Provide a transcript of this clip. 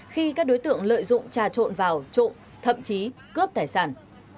khi các đối tượng lợi dụng trà trộn vào trộm thậm chí cướp tài sản